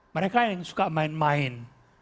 mereka yang suka main main